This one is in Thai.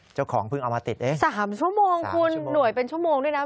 เจ้าของเพิ่งเอามาติด๓ชั่วโมงคุณหน่วยเป็นชั่วโมงด้วยนะ